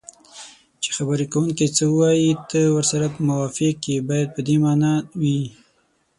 چې خبرې کوونکی څه وایي ته ورسره موافق یې باید په دې مانا وي